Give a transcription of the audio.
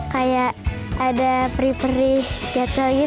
kayak ada perih perih jatuh gitu